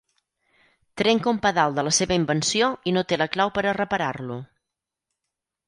Trenca un pedal de la seva invenció i no té la clau per a reparar-lo.